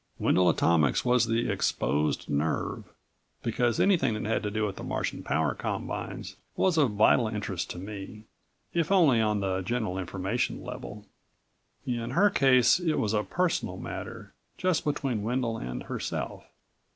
Wendel Atomics was the exposed nerve, because anything that had to do with the Martian power combines was of vital interest to me, if only on the general information level. In her case it was a personal matter, just between Wendel and herself.